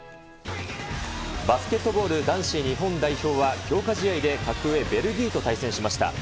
バスケットボール男子日本代表は強化試合で格上、ベルギーと対戦しました。